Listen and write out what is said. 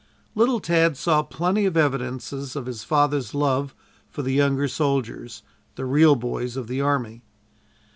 Little Tad saw plenty of evidences of his father's love for the younger soldiers the real boys of the army.